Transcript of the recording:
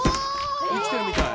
生きてるみたい。